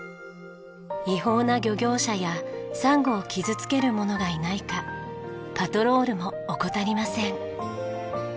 違法な漁業者やサンゴを傷つける者がいないかパトロールも怠りません。